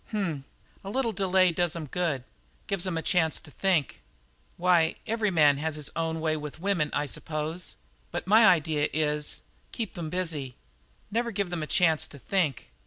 "H m! A little delay does 'em good; gives 'em a chance to think." "Why, every man has his own way with women, I suppose, but my idea is, keep them busy never give them a chance to think.